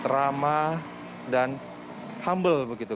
ramah dan humble begitu